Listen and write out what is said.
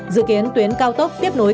dự kiến tuyến cao tốc tiếp nối